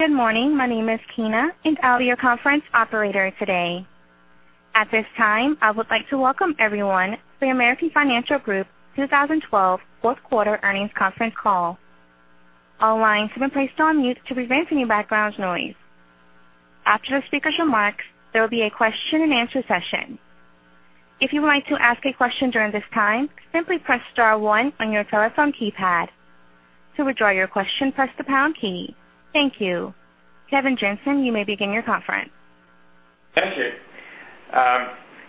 Good morning. My name is Kina, and I'll be your conference operator today. At this time, I would like to welcome everyone to the American Financial Group 2012 fourth quarter earnings conference call. All lines have been placed on mute to prevent any background noise. After the speaker's remarks, there will be a question-and-answer session. If you would like to ask a question during this time, simply press star one on your telephone keypad. To withdraw your question, press the pound key. Thank you. Keith Jensen, you may begin your conference. Thank you.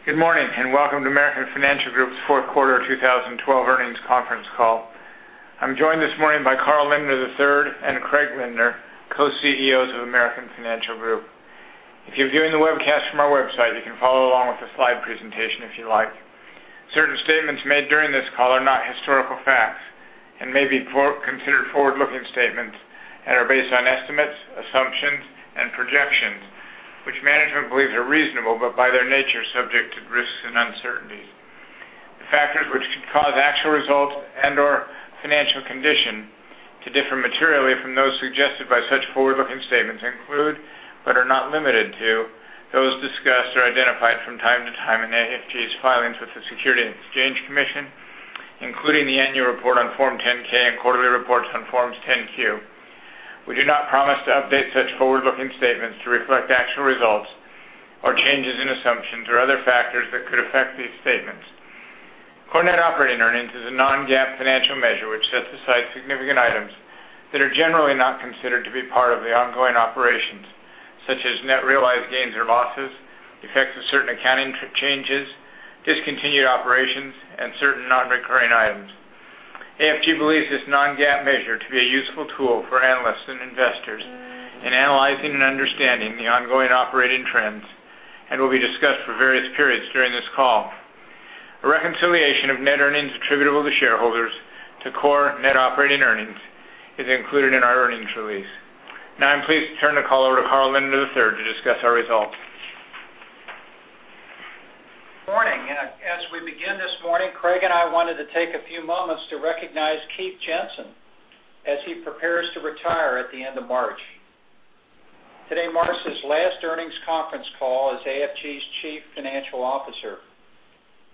Good morning, and welcome to American Financial Group's fourth quarter 2012 earnings conference call. I'm joined this morning by Carl Lindner III and Craig Lindner, co-CEOs of American Financial Group. If you're viewing the webcast from our website, you can follow along with the slide presentation if you like. Certain statements made during this call are not historical facts and may be considered forward-looking statements and are based on estimates, assumptions, and projections, which management believes are reasonable, but by their nature, subject to risks and uncertainties. The factors which could cause actual results and/or financial condition to differ materially from those suggested by such forward-looking statements include, but are not limited to, those discussed or identified from time to time in AFG's filings with the Securities and Exchange Commission, including the annual report on Form 10-K and quarterly reports on Forms 10-Q. We do not promise to update such forward-looking statements to reflect actual results or changes in assumptions or other factors that could affect these statements. Core net operating earnings is a non-GAAP financial measure which sets aside significant items that are generally not considered to be part of the ongoing operations, such as net realized gains or losses, the effects of certain accounting changes, discontinued operations, and certain non-recurring items. AFG believes this non-GAAP measure to be a useful tool for analysts and investors in analyzing and understanding the ongoing operating trends and will be discussed for various periods during this call. A reconciliation of net earnings attributable to shareholders to core net operating earnings is included in our earnings release. Now I'm pleased to turn the call over to Carl Lindner III to discuss our results. Morning. As we begin this morning, Craig and I wanted to take a few moments to recognize Keith Jensen as he prepares to retire at the end of March. Today marks his last earnings conference call as AFG's Chief Financial Officer.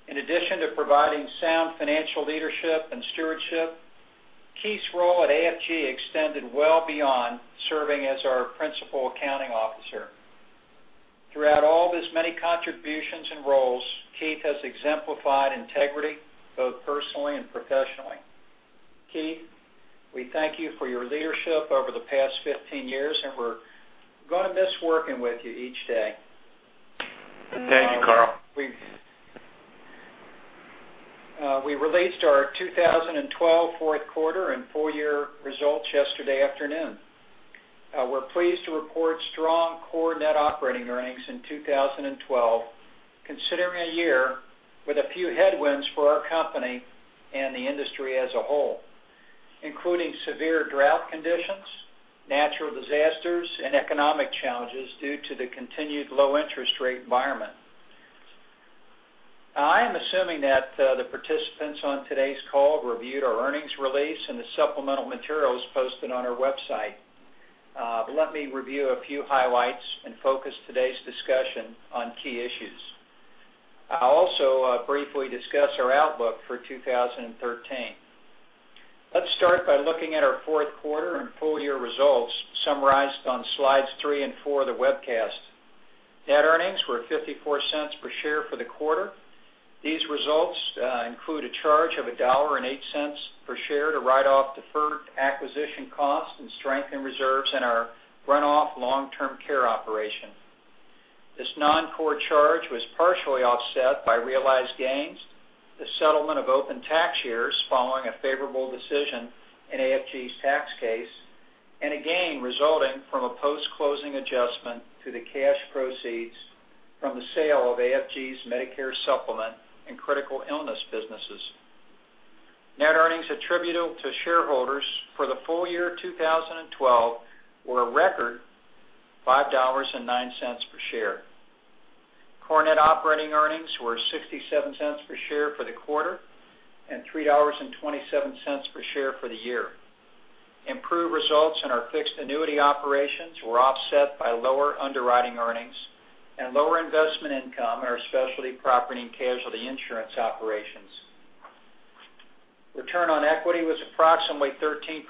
In addition to providing sound financial leadership and stewardship, Keith's role at AFG extended well beyond serving as our Principal Accounting Officer. Throughout all of his many contributions and roles, Keith has exemplified integrity, both personally and professionally. Keith, we thank you for your leadership over the past 15 years, and we're going to miss working with you each day. Thank you, Carl. We released our 2012 fourth quarter and full-year results yesterday afternoon. We're pleased to report strong core net operating earnings in 2012, considering a year with a few headwinds for our company and the industry as a whole, including severe drought conditions, natural disasters, and economic challenges due to the continued low interest rate environment. I am assuming that the participants on today's call reviewed our earnings release and the supplemental materials posted on our website. Let me review a few highlights and focus today's discussion on key issues. I'll also briefly discuss our outlook for 2013. Let's start by looking at our fourth quarter and full-year results summarized on slides three and four of the webcast. Net earnings were $0.54 per share for the quarter. These results include a charge of $1.08 per share to write off deferred acquisition costs and strengthen reserves in our run-off long-term care operation. This non-core charge was partially offset by realized gains, the settlement of open tax years following a favorable decision in AFG's tax case, and a gain resulting from a post-closing adjustment to the cash proceeds from the sale of AFG's Medicare Supplement and critical illness businesses. Net earnings attributable to shareholders for the full year 2012 were a record $5.09 per share. Core net operating earnings were $0.67 per share for the quarter and $3.27 per share for the year. Improved results in our fixed annuity operations were offset by lower underwriting earnings and lower investment income in our specialty property and casualty insurance operations. Return on equity was approximately 13%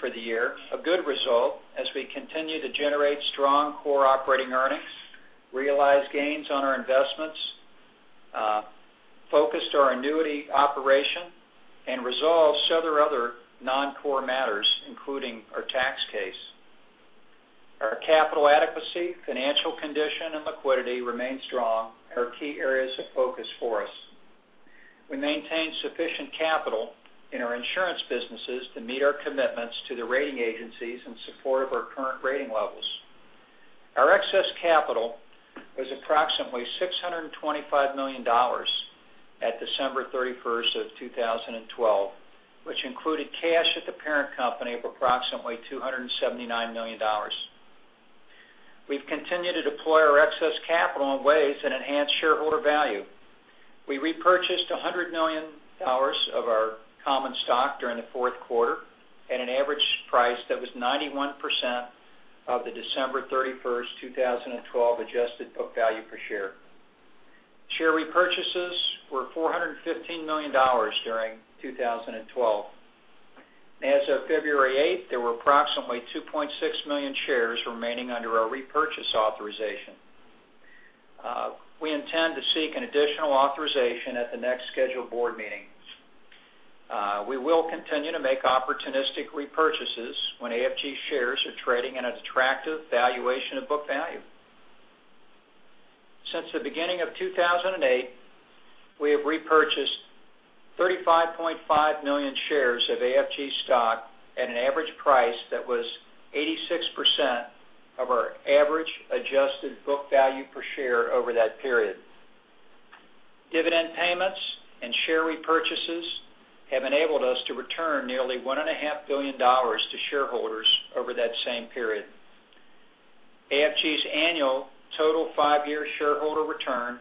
for the year, a good result as we continue to generate strong core operating earnings, realize gains on our investments, focused our annuity operation, and resolve several other non-core matters, including our tax case. Our capital adequacy, financial condition, and liquidity remain strong and are key areas of focus for us. We maintain sufficient capital in our insurance businesses to meet our commitments to the rating agencies in support of our current rating levels. Our excess capital was approximately $625 million at December 31st of 2012, which included cash at the parent company of approximately $279 million. We've continued to deploy our excess capital in ways that enhance shareholder value. We repurchased $100 million of our common stock during the fourth quarter at an average price that was 91% of the December 31, 2012, adjusted book value per share. Share repurchases were $415 million during 2012. As of February 8th, there were approximately 2.6 million shares remaining under our repurchase authorization. We intend to seek an additional authorization at the next scheduled board meeting. We will continue to make opportunistic repurchases when AFG shares are trading at an attractive valuation of book value. Since the beginning of 2008, we have repurchased 35.5 million shares of AFG stock at an average price that was 86% of our average adjusted book value per share over that period. Dividend payments and share repurchases have enabled us to return nearly $1.5 billion to shareholders over that same period. AFG's annual total five-year shareholder return,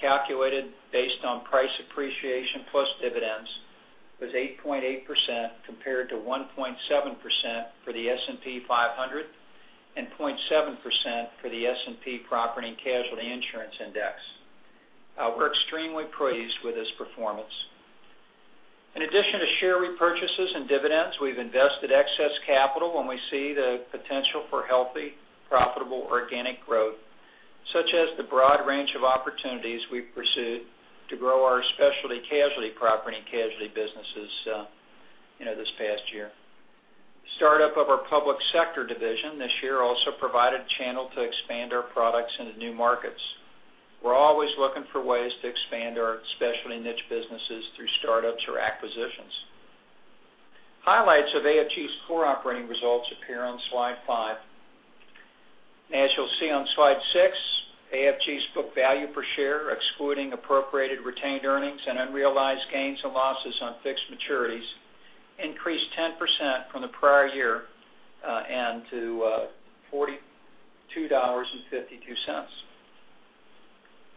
calculated based on price appreciation plus dividends, was 8.8%, compared to 1.7% for the S&P 500 and 0.7% for the S&P Property & Casualty Insurance Index. We're extremely pleased with this performance. In addition to share repurchases and dividends, we've invested excess capital when we see the potential for healthy, profitable, organic growth, such as the broad range of opportunities we've pursued to grow our specialty casualty, property and casualty businesses this past year. The startup of our Public Sector Division this year also provided a channel to expand our products into new markets. We're always looking for ways to expand our specialty niche businesses through startups or acquisitions. Highlights of AFG's core operating results appear on slide five. As you'll see on slide six, AFG's book value per share, excluding appropriated retained earnings and unrealized gains and losses on fixed maturities, increased 10% from the prior year and to $42.52.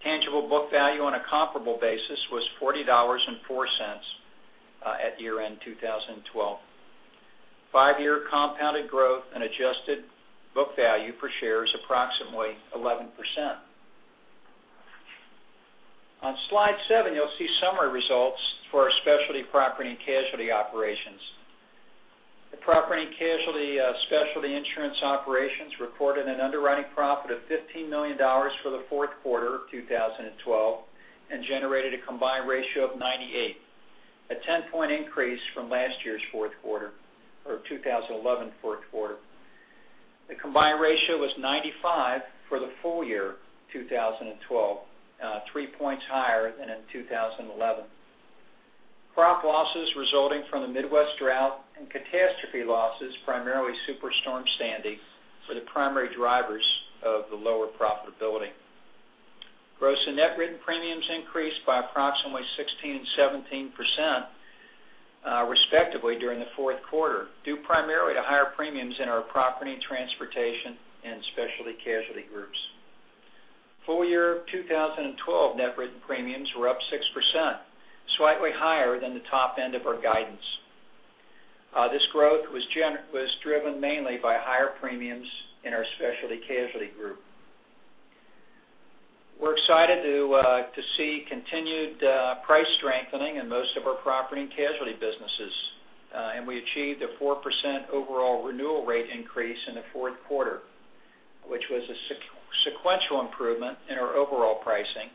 Tangible book value on a comparable basis was $40.04 at year-end 2012. Five-year compounded growth and adjusted book value per share is approximately 11%. On slide seven, you'll see summary results for our specialty property and casualty operations. The property and casualty specialty insurance operations reported an underwriting profit of $15 million for the fourth quarter of 2012 and generated a combined ratio of 98, a 10-point increase from last year's fourth quarter or 2011 fourth quarter. The combined ratio was 95 for the full year 2012, three points higher than in 2011. Crop losses resulting from the Midwest drought and catastrophe losses, primarily Superstorm Sandy, were the primary drivers of the lower profitability. Gross and net written premiums increased by approximately 16% and 17%, respectively, during the fourth quarter, due primarily to higher premiums in our Property and Transportation and Specialty Casualty Groups. Full year 2012 net written premiums were up 6%, slightly higher than the top end of our guidance. This growth was driven mainly by higher premiums in our Specialty Casualty Group. We're excited to see continued price strengthening in most of our property and casualty businesses, and we achieved a 4% overall renewal rate increase in the fourth quarter, which was a sequential improvement in our overall pricing,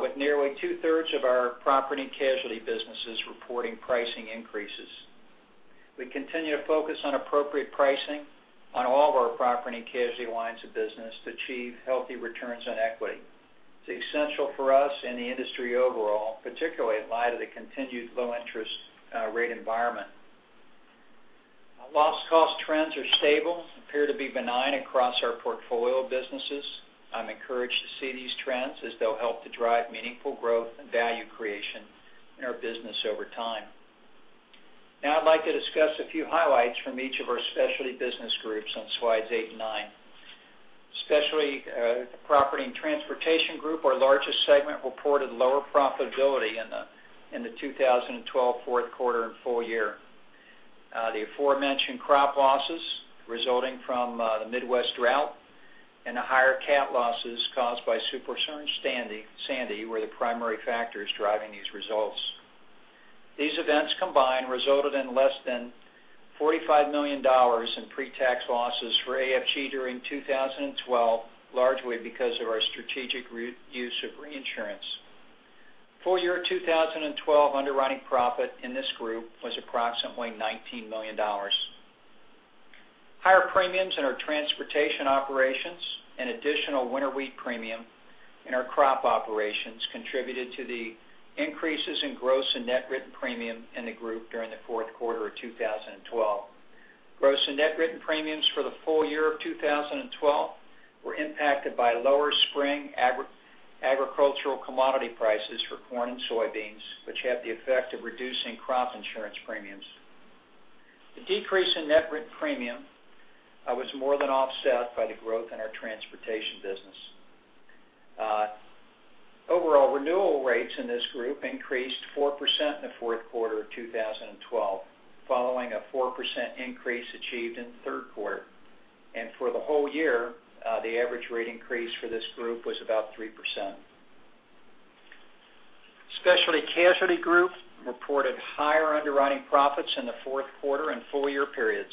with nearly two-thirds of our property and casualty businesses reporting pricing increases. We continue to focus on appropriate pricing on all of our property and casualty lines of business to achieve healthy returns on equity. It's essential for us and the industry overall, particularly in light of the continued low interest rate environment. Loss cost trends are stable and appear to be benign across our portfolio of businesses. I'm encouraged to see these trends as they'll help to drive meaningful growth and value creation in our business over time. I'd like to discuss a few highlights from each of our Specialty Business Groups on slides eight and nine. Specialty Property and Transportation Group, our largest segment, reported lower profitability in the 2012 fourth quarter and full year. The aforementioned crop losses resulting from the Midwest drought and the higher cat losses caused by Superstorm Sandy were the primary factors driving these results. These events combined resulted in less than $45 million in pre-tax losses for AFG during 2012, largely because of our strategic use of reinsurance. Full year 2012 underwriting profit in this group was approximately $19 million. Higher premiums in our transportation operations and additional winter wheat premium in our crop operations contributed to the increases in gross and net written premium in the group during the fourth quarter of 2012. Gross and net written premiums for the full year of 2012 were impacted by lower spring agricultural commodity prices for corn and soybeans, which had the effect of reducing crop insurance premiums. The decrease in net written premium was more than offset by the growth in our transportation business. Overall renewal rates in this group increased 4% in the fourth quarter of 2012, following a 4% increase achieved in the third quarter. For the whole year, the average rate increase for this group was about 3%. Specialty Casualty Group reported higher underwriting profits in the fourth quarter and full year periods.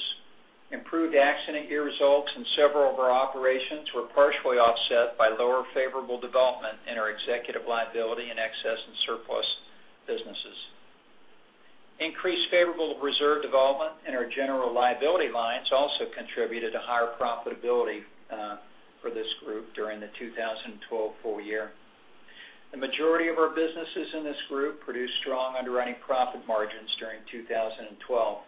Improved accident year results in several of our operations were partially offset by lower favorable development in our executive liability and excess and surplus businesses. Increased favorable reserve development in our general liability lines also contributed to higher profitability for this group during the 2012 full year. The majority of our businesses in this group produced strong underwriting profit margins during 2012.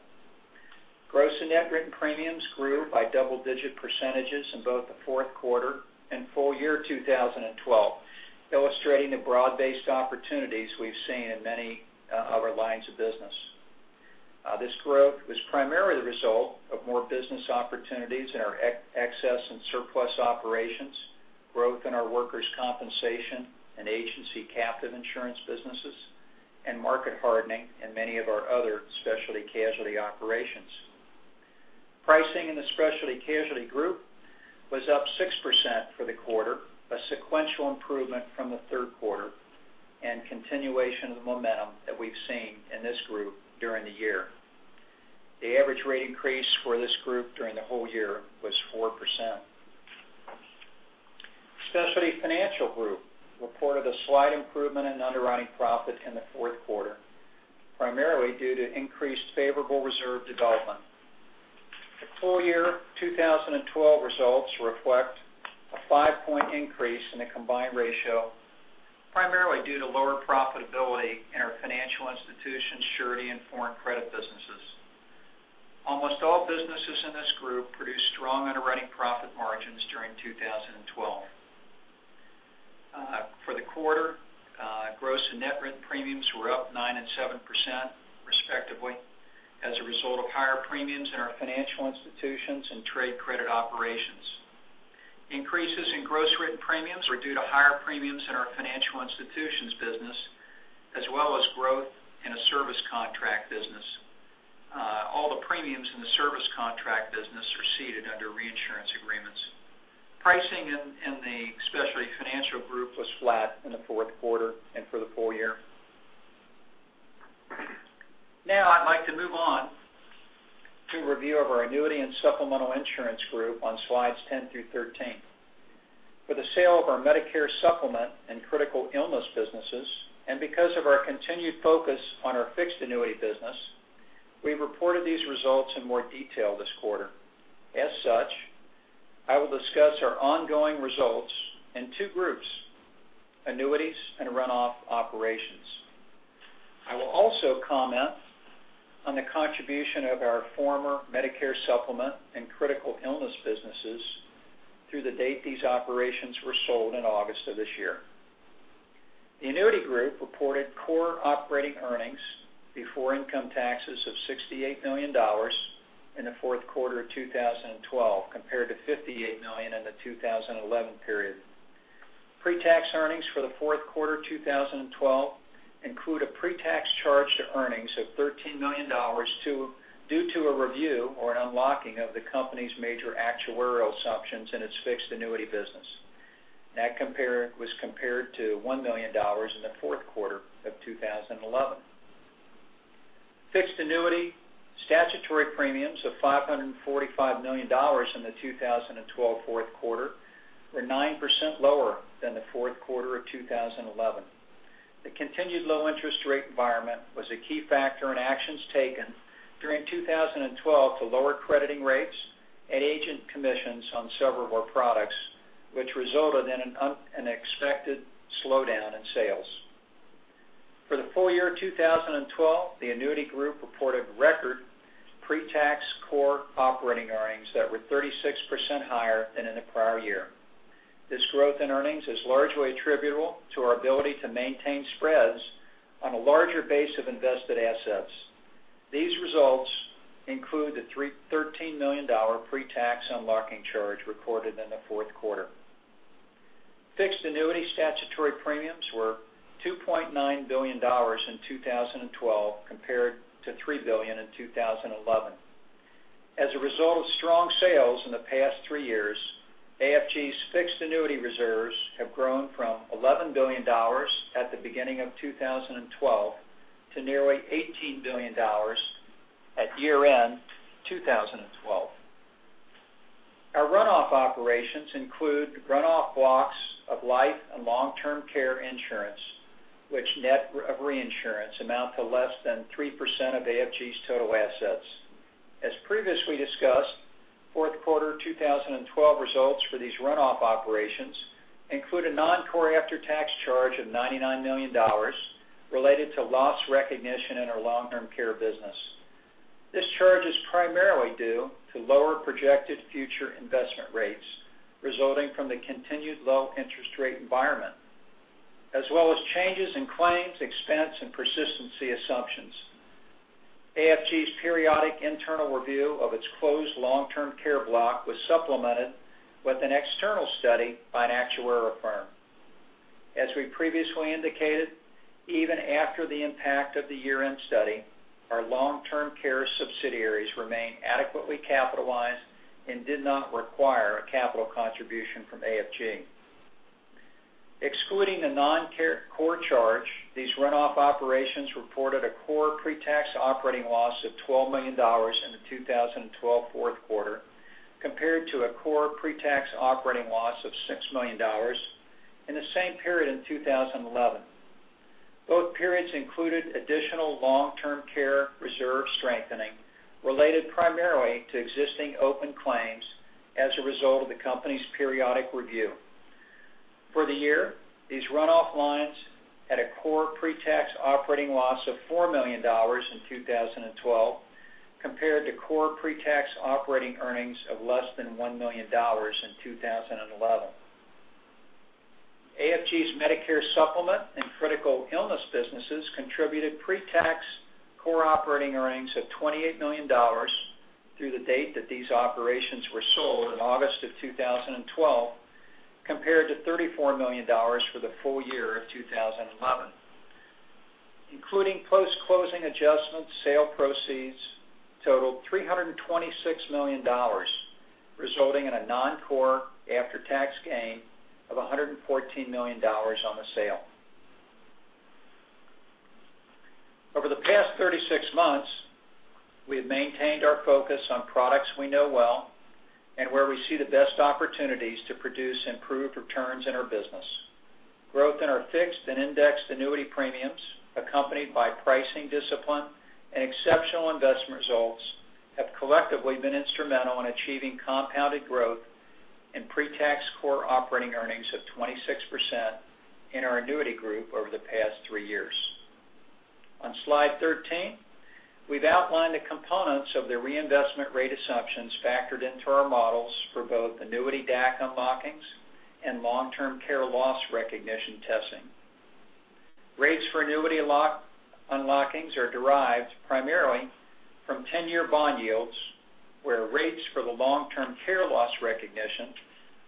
Gross and net written premiums grew by double-digit percentages in both the fourth quarter and full year 2012, illustrating the broad-based opportunities we've seen in many of our lines of business. This growth was primarily the result of more business opportunities in our excess and surplus operations, growth in our workers' compensation and agency captive insurance businesses, and market hardening in many of our other Specialty Casualty operations. Pricing in the Specialty Casualty Group was up 6% for the quarter, a sequential improvement from the third quarter, and continuation of the momentum that we've seen in this group during the year. The average rate increase for this group during the whole year was 4%. Specialty Financial Group reported a slight improvement in underwriting profit in the fourth quarter, primarily due to increased favorable reserve development. The full year 2012 results reflect a five-point increase in the combined ratio, primarily due to lower profitability in our financial institutions, surety, and foreign credit businesses. Almost all businesses in this group produced strong underwriting profit margins during 2012. For the quarter, gross and net written premiums were up 9% and 7%, respectively, as a result of higher premiums in our financial institutions and trade credit operations. Increases in gross written premiums were due to higher premiums in our financial institutions business, as well as growth in a service contract business. All the premiums in the service contract business are ceded under reinsurance agreements. Pricing in the Specialty Financial Group was flat in the fourth quarter and for the full year. I'd like to move on to a review of our Annuity and Supplemental Insurance Group on slides 10 through 13. For the sale of our Medicare Supplement and critical illness businesses, because of our continued focus on our fixed annuity business, we reported these results in more detail this quarter. As such, I will discuss our ongoing results in two groups, Annuities and runoff operations. I will also comment on the contribution of our former Medicare Supplement and critical illness businesses through the date these operations were sold in August of this year. The Annuity Group reported core operating earnings before income taxes of $68 million in the fourth quarter of 2012 compared to $58 million in the 2011 period. Pre-tax earnings for the fourth quarter 2012 include a pre-tax charge to earnings of $13 million due to a review or an unlocking of the company's major actuarial assumptions in its fixed annuity business. That was compared to $1 million in the fourth quarter of 2011. Fixed annuity statutory premiums of $545 million in the 2012 fourth quarter were 9% lower than the fourth quarter of 2011. The continued low interest rate environment was a key factor in actions taken during 2012 to lower crediting rates and agent commissions on several of our products, which resulted in an expected slowdown in sales. For the full year 2012, the Annuity Group reported record pre-tax core operating earnings that were 36% higher than in the prior year. This growth in earnings is largely attributable to our ability to maintain spreads on a larger base of invested assets. These results include the $13 million pre-tax unlocking charge recorded in the fourth quarter. Fixed annuity statutory premiums were $2.9 billion in 2012 compared to $3 billion in 2011. As a result of strong sales in the past three years, AFG's fixed annuity reserves have grown from $11 billion at the beginning of 2012 to nearly $18 billion at year-end 2012. Our runoff operations include runoff blocks of life and long-term care insurance, which net of reinsurance amount to less than 3% of AFG's total assets. As previously discussed, fourth quarter 2012 results for these runoff operations include a non-core after-tax charge of $99 million related to loss recognition in our long-term care business. This charge is primarily due to lower projected future investment rates resulting from the continued low interest rate environment, as well as changes in claims, expense, and persistency assumptions. AFG's periodic internal review of its closed long-term care block was supplemented with an external study by an actuary firm. As we previously indicated, even after the impact of the year-end study, our long-term care subsidiaries remain adequately capitalized and did not require a capital contribution from AFG. Excluding the non-core charge, these runoff operations reported a core pre-tax operating loss of $12 million in the 2012 fourth quarter compared to a core pre-tax operating loss of $6 million in the same period in 2011. Both periods included additional long-term care reserve strengthening related primarily to existing open claims as a result of the company's periodic review. For the year, these runoff lines had a core pre-tax operating loss of $4 million in 2012 compared to core pre-tax operating earnings of less than $1 million in 2011. AFG's Medicare Supplement and critical illness businesses contributed pre-tax core operating earnings of $28 million through the date that these operations were sold in August of 2012 compared to $34 million for the full year of 2011. Including post-closing adjustments, sale proceeds totaled $326 million, resulting in a non-core after-tax gain of $114 million on the sale. Over the past 36 months, we have maintained our focus on products we know well and where we see the best opportunities to produce improved returns in our business. Growth in our fixed and indexed annuity premiums, accompanied by pricing discipline and exceptional investment results, have collectively been instrumental in achieving compounded growth in pre-tax core operating earnings of 26% in our Annuity Group over the past three years. On slide 13, we've outlined the components of the reinvestment rate assumptions factored into our models for both annuity DAC unlockings and long-term care loss recognition testing. Rates for annuity unlockings are derived primarily from 10-year bond yields, where rates for the long-term care loss recognition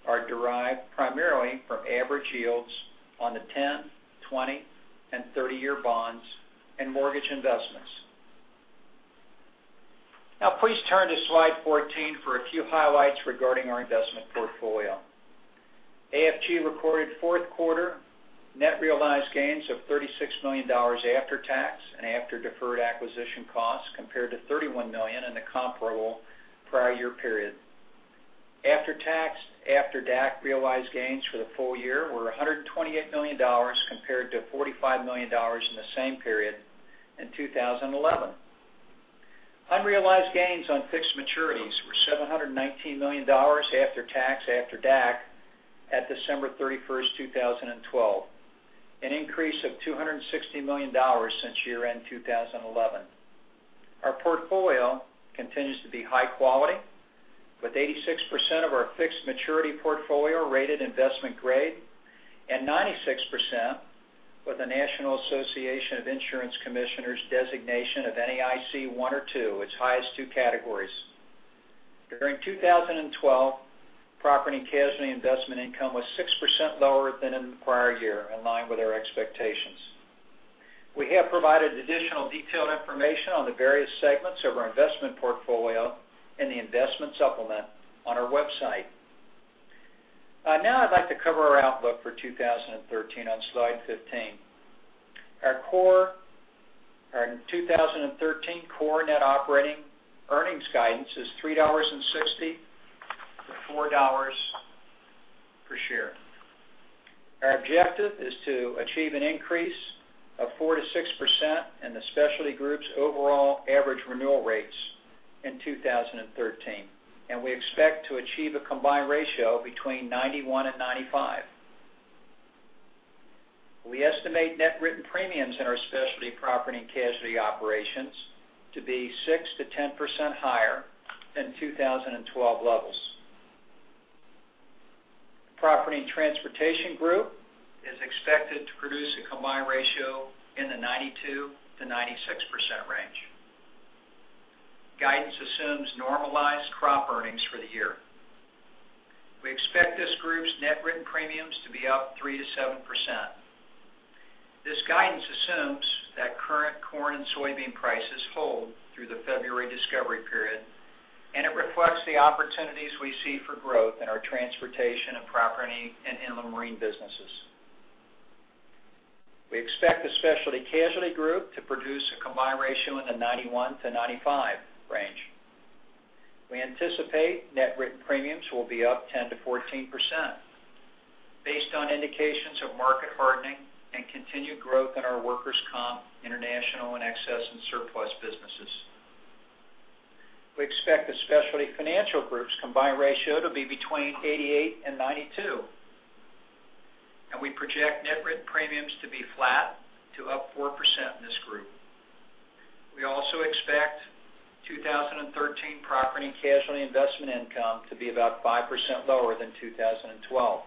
are derived primarily from average yields on the 10-, 20-, and 30-year bonds and mortgage investments. Please turn to slide 14 for a few highlights regarding our investment portfolio. AFG recorded fourth quarter net realized gains of $36 million after tax and after deferred acquisition costs compared to $31 million in the comparable prior year period. After-tax, after-DAC realized gains for the full year were $128 million compared to $45 million in the same period in 2011. Unrealized gains on fixed maturities were $719 million after tax, after DAC at December 31st, 2012, an increase of $260 million since year-end 2011. Our portfolio continues to be high quality with 86% of our fixed maturity portfolio rated investment-grade and 96% with the National Association of Insurance Commissioners' designation of NAIC 1 or 2, its highest two categories. During 2012, property and casualty investment income was 6% lower than in the prior year, in line with our expectations. We have provided additional detailed information on the various segments of our investment portfolio in the investment supplement on our website. I'd like to cover our outlook for 2013 on slide 15. Our 2013 core net operating earnings guidance is $3.60 to $4 per share. Our objective is to achieve an increase of 4% to 6% in the specialty groups' overall average renewal rates in 2013, and we expect to achieve a combined ratio between 91% and 95%. We estimate net written premiums in our specialty property and casualty operations to be 6% to 10% higher than 2012 levels. The Property and Transportation Group is expected to produce a combined ratio in the 92% to 96% range. Guidance assumes normalized crop earnings for the year. We expect this group's net written premiums to be up 3% to 7%. This guidance assumes that current corn and soybean prices hold through the February discovery period, and it reflects the opportunities we see for growth in our transportation and property and inland marine businesses. We expect the Specialty Casualty Group to produce a combined ratio in the 91% to 95% range. We anticipate net written premiums will be up 10% to 14%, based on indications of market hardening and continued growth in our workers' comp, international, and excess and surplus businesses. We expect the Specialty Financial Group's combined ratio to be between 88 and 92. We project net written premiums to be flat to up 4% in this group. We also expect 2013 property and casualty investment income to be about 5% lower than 2012.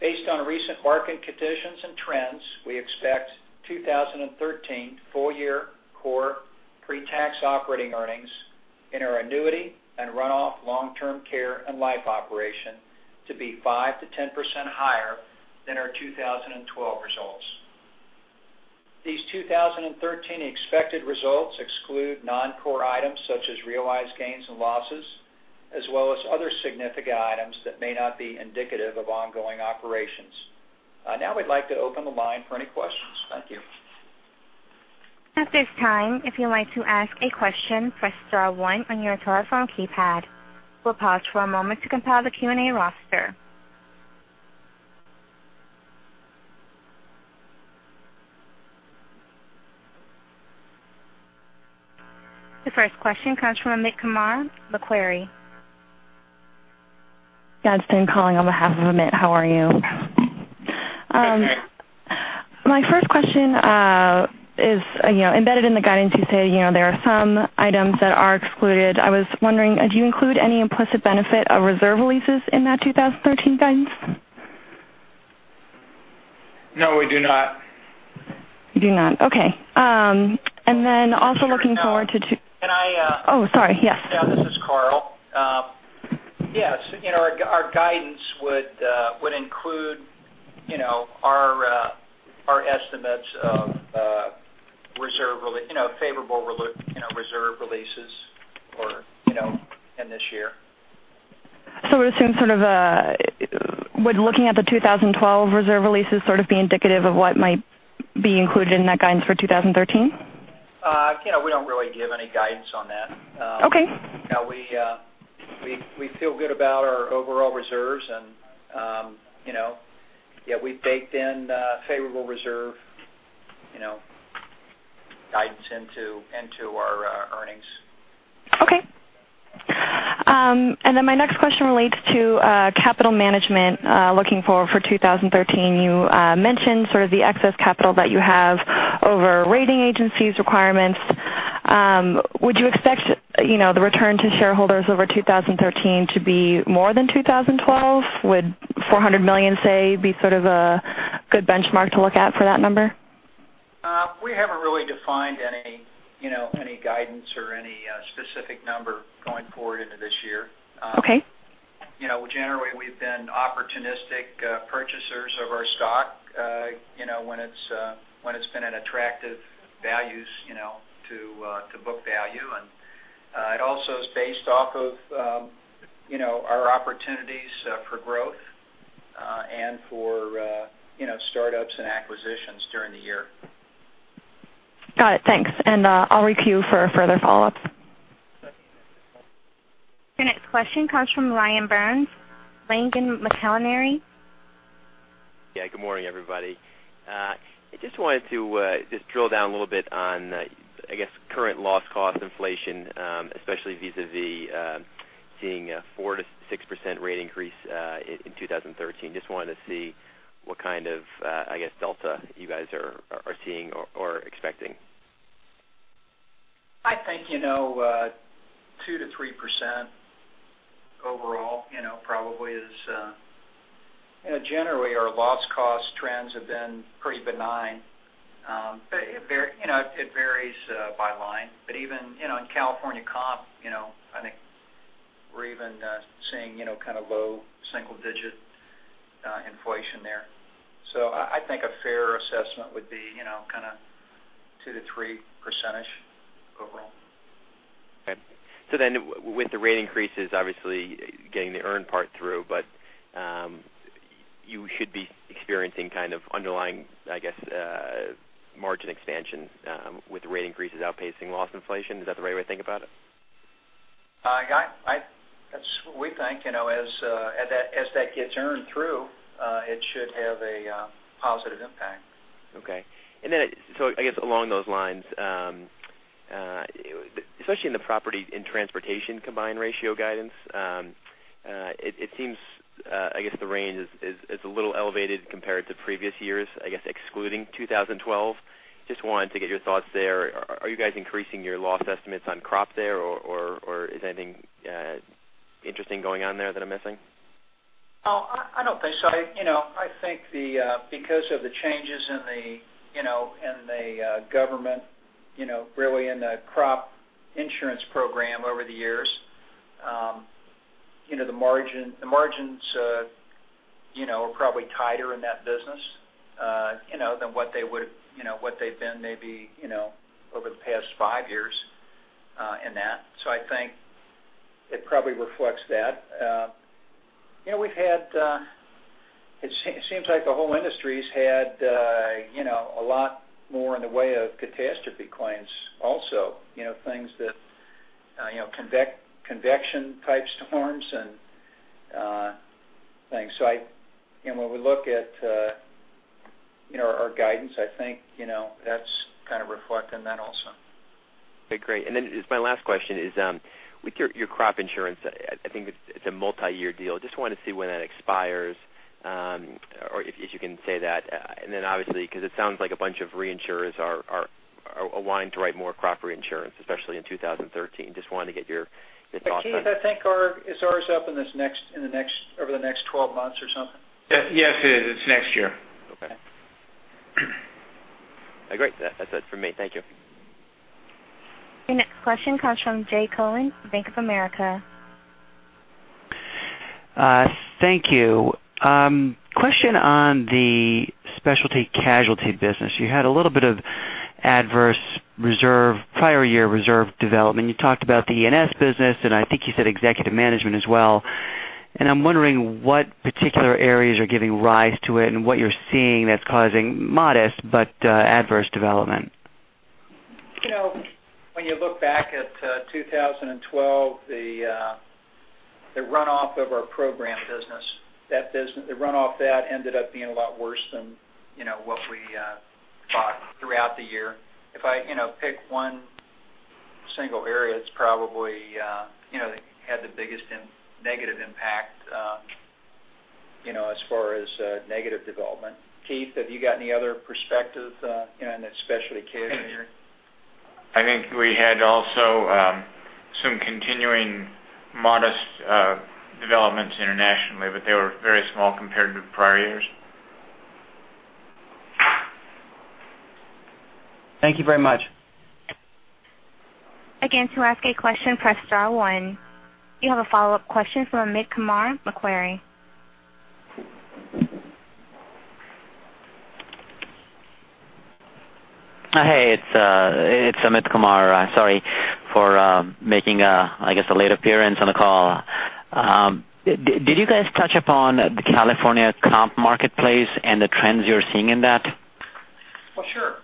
Based on recent market conditions and trends, we expect 2013 full-year core pre-tax operating earnings in our annuity and runoff long-term care and life operation to be 5%-10% higher than our 2012 results. These 2013 expected results exclude non-core items such as realized gains and losses, as well as other significant items that may not be indicative of ongoing operations. We'd like to open the line for any questions. Thank you. If you'd like to ask a question, press star one on your telephone keypad. We'll pause for a moment to compile the Q&A roster. The first question comes from Amit Kumar, Macquarie. Just calling on behalf of Amit, how are you? Hey. My first question is, embedded in the guidance you say there are some items that are excluded. I was wondering, do you include any implicit benefit of reserve releases in that 2013 guidance? No, we do not. You do not. Okay. Also looking forward to. Can I. Oh, sorry. Yeah. Yeah, this is Carl. Yes, our guidance would include our estimates of favorable reserve releases in this year. Would looking at the 2012 reserve releases sort of be indicative of what might be included in that guidance for 2013? We don't really give any guidance on that. Okay. We feel good about our overall reserves and we baked in favorable reserve guidance into our earnings. My next question relates to capital management looking forward for 2013. You mentioned sort of the excess capital that you have over rating agencies' requirements. Would you expect the return to shareholders over 2013 to be more than 2012? Would $400 million, say, be sort of a good benchmark to look at for that number? We haven't really defined any guidance or any specific number going forward into this year. Okay. Generally, we've been opportunistic purchasers of our stock when it's been at attractive values to book value. It also is based off of our opportunities for growth and for startups and acquisitions during the year. Got it. Thanks. I'll queue for further follow-ups. Your next question comes from Ryan Burns, Blain, McHenry. Yeah, good morning, everybody. I just wanted to drill down a little bit on, I guess, current loss cost inflation, especially vis-a-vis seeing a 4%-6% rate increase in 2013. Just wanted to see what kind of, I guess, delta you guys are seeing or expecting. I think 2%-3% overall probably is. Generally, our loss cost trends have been pretty benign. It varies by line, even in California comp, I think we're even seeing kind of low single digit inflation there. I think a fair assessment would be kind of two to three percent overall. Okay. With the rate increases, obviously getting the earn part through, you should be experiencing kind of underlying, I guess, margin expansion with rate increases outpacing loss inflation. Is that the right way to think about it? That's what we think. As that gets earned through, it should have a positive impact. Okay. I guess along those lines, especially in the property and transportation combined ratio guidance, it seems the range is a little elevated compared to previous years, I guess excluding 2012. Just wanted to get your thoughts there. Are you guys increasing your loss estimates on crop there, or is anything interesting going on there that I'm missing? I don't think so. I think because of the changes in the government really in the crop insurance program over the years, the margins are probably tighter in that business than what they've been maybe over the past five years in that. I think it probably reflects that. It seems like the whole industry's had a lot more in the way of catastrophe claims also, things that convection type storms and things. When we look at Our guidance, I think, that's kind of reflect on that also. Okay, great. This is my last question is, with your crop insurance, I think it's a multi-year deal. Just wanted to see when that expires, or if you can say that. Obviously, because it sounds like a bunch of reinsurers are wanting to write more crop reinsurance, especially in 2013. Just wanted to get your thoughts on. Keith, I think ours is up over the next 12 months or something. Yes, it is. It's next year. Okay. Great. That's it for me. Thank you. Your next question comes from Jay Cohen, Bank of America. Thank you. Question on the specialty casualty business. You had a little bit of adverse prior year reserve development. You talked about the E&S business, and I think you said executive liability as well. I'm wondering what particular areas are giving rise to it and what you're seeing that's causing modest but adverse development. When you look back at 2012, the runoff of our program business, the runoff of that ended up being a lot worse than what we thought throughout the year. If I pick one single area, it's probably had the biggest negative impact as far as negative development. Keith, have you got any other perspective in the specialty casualty? I think we had also some continuing modest developments internationally, they were very small compared to prior years. Thank you very much. Again, to ask a question, press star one. You have a follow-up question from Amit Kumar, Macquarie. Hey, it's Amit Kumar. Sorry for making a late appearance on the call. Did you guys touch upon the California comp marketplace and the trends you're seeing in that? Well, sure.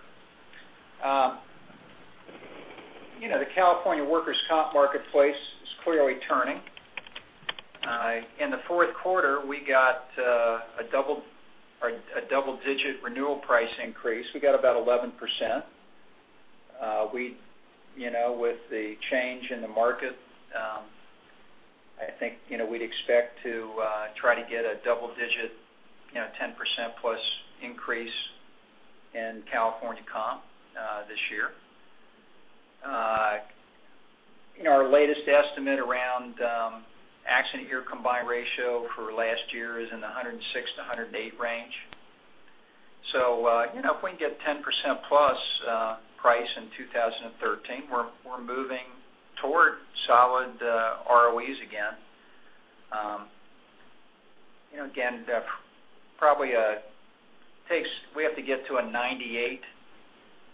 The California workers' comp marketplace is clearly turning. In the fourth quarter, we got a double-digit renewal price increase. We got about 11%. With the change in the market, I think we'd expect to try to get a double-digit 10%-plus increase in California comp this year. Our latest estimate around accident year combined ratio for last year is in the 106-108 range. If we can get 10%-plus price in 2013, we're moving towards solid ROEs again. Again, we have to get to a 98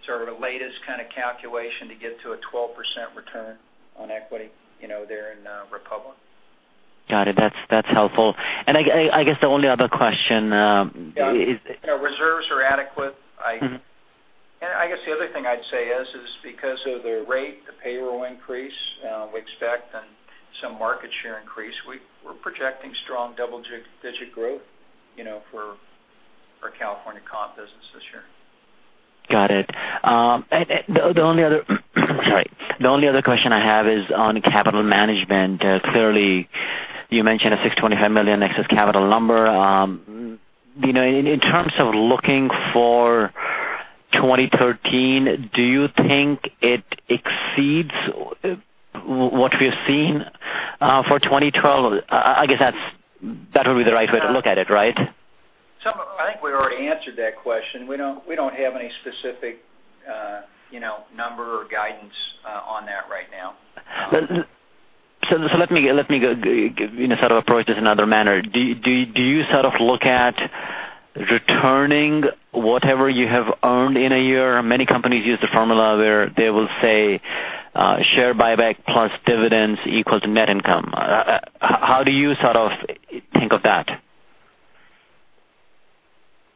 sort of latest kind of calculation to get to a 12% return on equity there in Republic. Got it. That's helpful. I guess the only other question. Reserves are adequate. I guess the other thing I'd say is, because of the rate, the payroll increase we expect, and some market share increase, we're projecting strong double-digit growth for our California comp business this year. Got it. The only other question I have is on capital management. Clearly, you mentioned a $625 million excess capital number. In terms of looking for 2013, do you think it exceeds what we've seen for 2012? I guess that would be the right way to look at it, right? I think we already answered that question. We don't have any specific number or guidance on that right now. Let me go approach this in another manner. Do you sort of look at returning whatever you have earned in a year? Many companies use the formula where they will say share buyback plus dividends equals net income. How do you sort of think of that?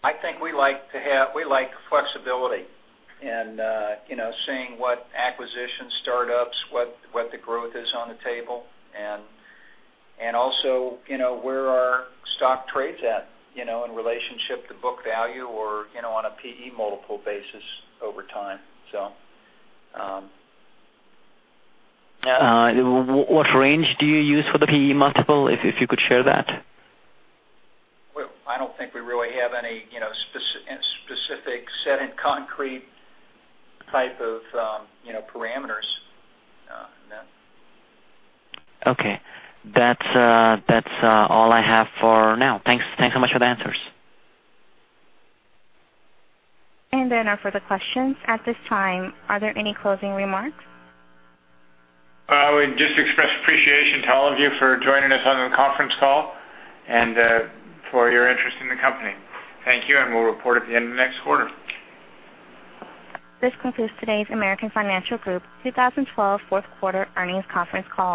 I think we like flexibility and seeing what acquisition startups, what the growth is on the table, and also where our stock trades at in relationship to book value or on a P/E multiple basis over time. What range do you use for the P/E multiple, if you could share that? Well, I don't think we really have any specific set in concrete type of parameters in that. Okay. That's all I have for now. Thanks so much for the answers. There are no further questions. At this time, are there any closing remarks? I would just express appreciation to all of you for joining us on the conference call and for your interest in the company. Thank you, and we'll report at the end of next quarter. This concludes today's American Financial Group 2012 fourth quarter earnings conference call.